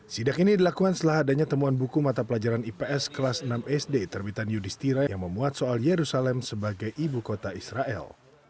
sidak ini dilakukan setelah adanya temuan buku mata pelajaran ips kelas enam sd terbitan yudhistira yang memuat soal yerusalem sebagai ibu kota israel